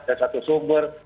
dari satu sumber